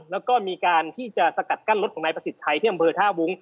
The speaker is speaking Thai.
แล้วก็มีการที่จะสกัดกั้นรถของนายประสิทธิ์ชัยที่อำเภอท่าวุ้ง